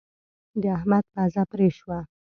د احمد پزه پرې شوه.